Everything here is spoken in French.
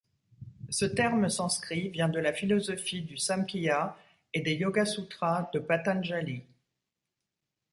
Ce terme sanskrit vient de la philosophie du samkhya et des Yoga-sûtra de Patanjali.